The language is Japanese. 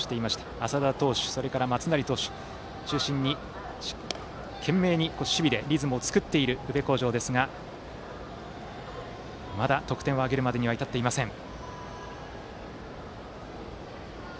淺田投手、それから松成投手中心に懸命に守備でリズムを作っている宇部鴻城ですがまだ得点を挙げるまでには至っていません。